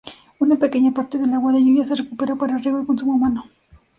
Una pequeña parte del agua de lluvia se recupera para riego y consumo humano.